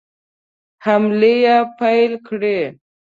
حملې پیل کړې.